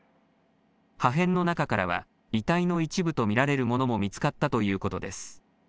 破片の中からは遺体の一部と見られるものも見つかったということです。